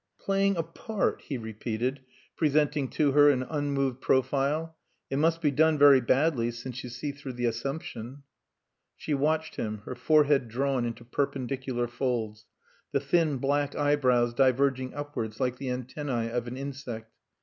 "Playing a Part," he repeated, presenting to her an unmoved profile. "It must be done very badly since you see through the assumption." She watched him, her forehead drawn into perpendicular folds, the thin black eyebrows diverging upwards like the antennae of an insect.